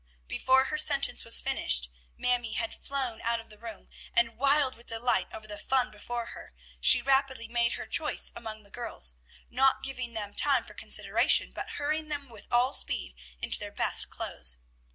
Before her sentence was finished, Mamie had flown out of the room, and wild with delight over the "fun" before her, she rapidly made her choice among the girls, not giving them time for consideration, but hurrying them with all speed into their best clothes.